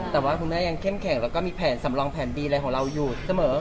แต่ว่าคุณแม่ยังเข้มแข็งแล้วก็มีแผนสำรองแผนดีอะไรของเราอยู่เสมอ